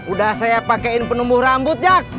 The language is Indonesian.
udah saya pakaiin penumbuh rambut jak